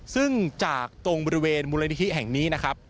ซึ่งจากตรงบริเวณมูลนิธิแห่งนี้นะครับ